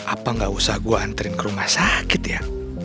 apa nggak usah gue antren ke rumah sakit ya